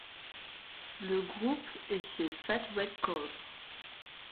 Le groupe est chez Fat Wreck Chords.